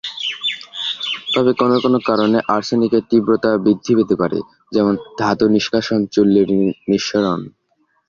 তবে কোনো কোনো কারণে আর্সেনিকের তীব্রতা বৃদ্ধি পেতে পারে, যেমন ধাতু নিষ্কাশন চুল্লীর নিঃসরণ।